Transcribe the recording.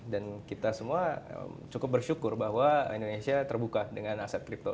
dan kita semua cukup bersyukur bahwa indonesia terbuka dengan aset crypto